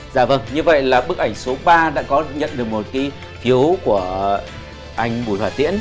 dạ vâng như vậy là bức ảnh số ba đã có nhận được một phiếu của anh bùi hòa tiễn